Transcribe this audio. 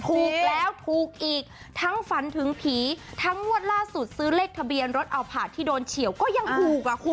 ถูกแล้วถูกอีกทั้งฝันถึงผีทั้งงวดล่าสุดซื้อเลขทะเบียนรถเอาผาดที่โดนเฉียวก็ยังถูกอ่ะคุณ